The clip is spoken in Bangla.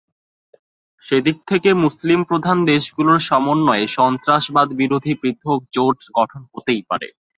সেদিক থেকে মুসলিমপ্রধান দেশগুলোর সমন্বয়ে সন্ত্রাসবাদবিরোধী পৃথক জোট গঠন হতেই পারে।